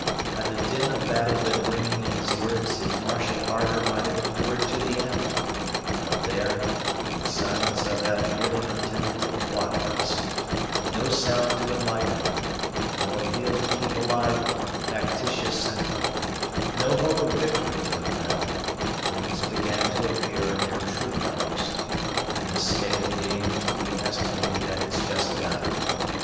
Had the din of battle been ringing in his ears, his martial ardor might have endured to the end; but there, in the silence of that nearly untenanted blockhouse, with no sound to enliven him, no appeal to keep alive factitious sentiment, no hope of victory to impel, things began to appear in their true colors, and this state of being to be estimated at its just value.